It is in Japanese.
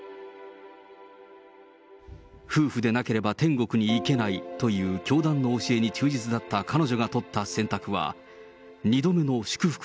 夫婦でなければ天国に行けないという教団の教えに忠実だった彼女が取った選択は、２度目の祝福